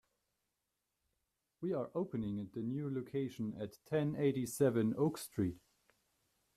We are opening the a new location at ten eighty-seven Oak Street.